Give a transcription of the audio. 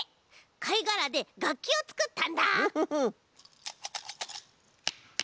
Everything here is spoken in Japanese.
かいがらでがっきをつくったんだ！